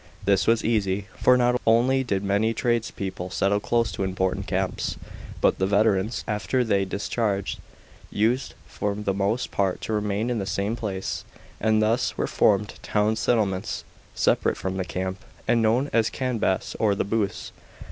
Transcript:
This was easy. For not only did many trades people settle close to important camps, but the veterans, after thei] discharge, used for the most part to remain in the same place ; and thus were formed town settlements, separate from the camp, and known as candbas or "the booths."